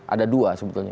ada dua sebetulnya